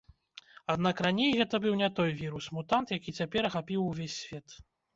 Аднак раней гэта быў не той вірус-мутант, які цяпер ахапіў увесь свет.